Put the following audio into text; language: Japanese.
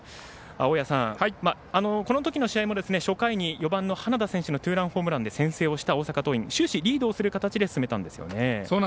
大矢さん、このときの試合も初回に４番の花田選手のツーランホームランで先制をした大阪桐蔭が終始リードをする形で進めたんですよね。